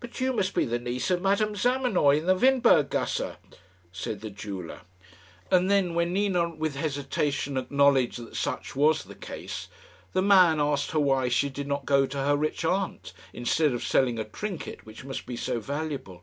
"But you must be the niece of Madame Zamenoy, in the Windberg gasse," said the jeweller. And then, when Nina with hesitation acknowledged that such was the case, the man asked her why she did not go to her rich aunt, instead of selling a trinket which must be so valuable.